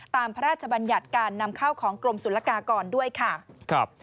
ตามพระราชบัญญัติการนำเข้าของกรมศูนย์ละกากรก่อนด้วยค่ะ